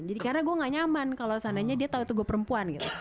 jadi karena gue gak nyaman kalau seandainya dia tau itu gue perempuan gitu